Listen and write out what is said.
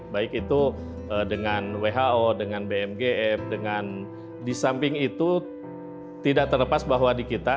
baik itu dengan who dengan bmgf dengan di samping itu tidak terlepas bahwa di kita